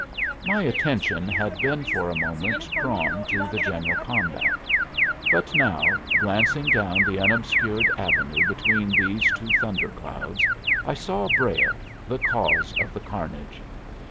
My attention had been for a moment drawn to the general combat, but now, glancing down the unobscured avenue between these two thunderclouds, I saw Brayle, the cause of the carnage.